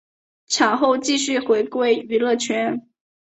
产后继续回归娱乐圈。